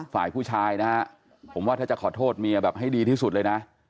ฝ่ายผู้ชายนะฮะผมว่าถ้าจะขอโทษเมียแบบให้ดีที่สุดเลยนะ